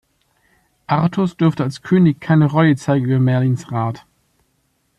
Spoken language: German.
Artus durfte als König keine Reue zeigen über Merlins Rat.